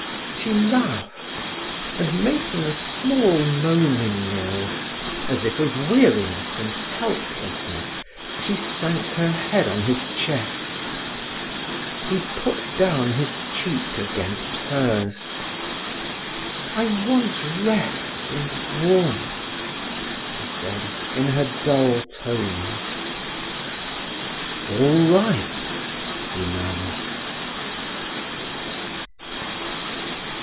She laughed, and, making a small, moaning noise, as if of weariness and helplessness, she sank her head on his chest. He put down his cheek against hers. "I want rest and warmth," she said, in her dull tones. "All right!" he murmured.